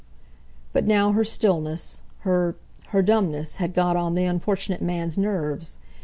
But now her stillness, her—her dumbness, had got on the unfortunate man's nerves.